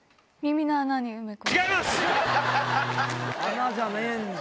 穴じゃねえんだ。